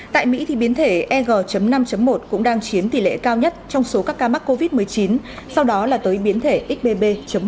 tại mỹ biến thể eg năm một cũng đang chiếm tỷ lệ cao nhất trong số các ca mắc covid một mươi chín sau đó là tới biến thể xbb một một mươi sáu